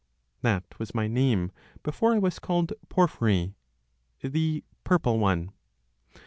That was my name before I was called "Porphyry," the "Purple One."